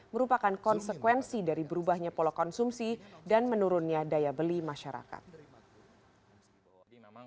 merupakan konsekuensi dari berubahnya pola konsumsi dan menurunnya daya beli masyarakat